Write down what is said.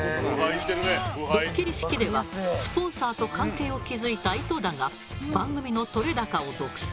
ドッキリ式ではスポンサーと関係を築いた井戸田が番組の撮れ高を独占。